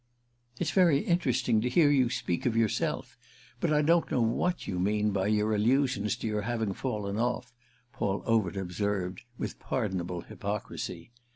"It's very interesting to hear you speak of yourself; but I don't know what you mean by your allusions to your having fallen off," Paul Overt observed with pardonable hypocrisy.